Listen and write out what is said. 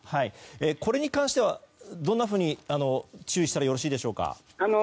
これに関してはどんなふうに注意したらよろしいでしょうか。